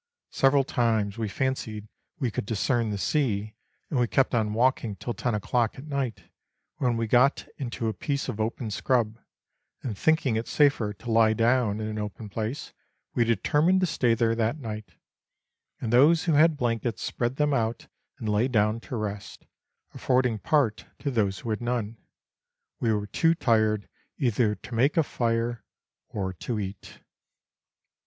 Several times we fancied we could discern the sea, and we kept on walking till ten o'clock at night, when we got into a piece of open scrub, and thinking it safer to lie down in an open place, we determined to stay there that night ; and those who had blankets spread them out and lay down to rest, affording part to those who had none. We were too tired either to make a fire or to eat.